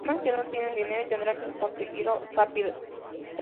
El problema es que no tienen dinero y tendrán que conseguirlo rápidamente.